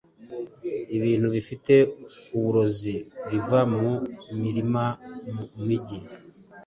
Ibintu bifite uburozi biva mu mirima, mu mijyi,